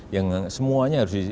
yang semuanya harus disiapkan